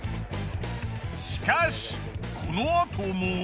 しかしこのあとも。